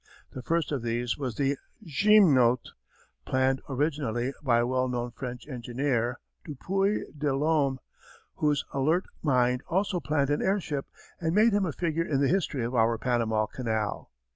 The first of these was the Gymnote, planned originally by a well known French engineer, Dupuy de Lome, whose alert mind also planned an airship and made him a figure in the history of our Panama Canal.